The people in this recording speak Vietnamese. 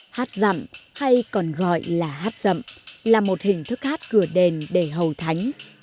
hát dặm hay còn gọi là hát dậm là một hình thức hát cửa đền để hầu thánh